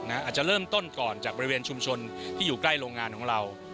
อาจจะเริ่มต้นก่อนจากบริเวณชุมชนที่อยู่ใกล้โรงงานของเรา